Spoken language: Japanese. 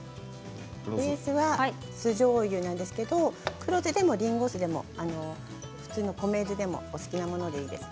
ベースは酢じょうゆなんですが黒酢でもりんご酢でも普通の米酢でも好きなもので結構です。